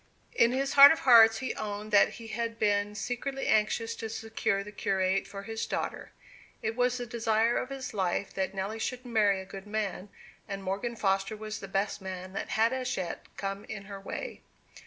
In his heart of hearts he owned that he had been secretly anxious to secure the curate for his daughter. It was the desire of his life that Nelly should marry a good man, and Morgan Foster was the best man that had as yet come in her way.